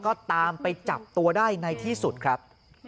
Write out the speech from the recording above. ก็ตามไปจับตัวได้ในที่สุดครับ